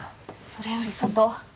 それより外！